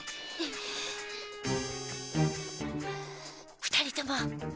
２人とも。